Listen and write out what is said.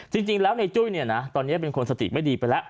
จริงแล้วในจุ้ยเนี่ยนะตอนนี้เป็นคนสติไม่ดีไปแล้ว